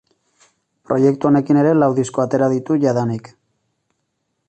Proiektu honekin ere lau disko atera ditu jadanik.